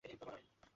এত দেরি হলো কেন?